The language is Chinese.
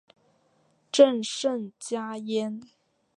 朕甚嘉焉。